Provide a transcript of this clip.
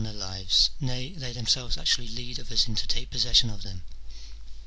X. their lives, nay, they themselves actually lead others in i o take possession of them.